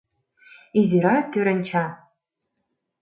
Изирак кӧрынча.